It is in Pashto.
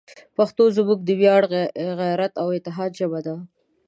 پښتو زموږ د ویاړ، غیرت، او اتحاد ژبه ده.